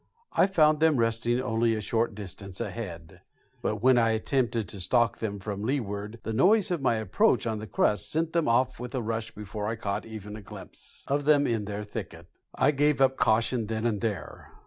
I found them resting only a short distance ahead; but when I attempted to stalk them from leeward the noise of my approach on the crust sent them off with a rush before I caught even a glimpse of them in their thicket. I gave up caution then and there.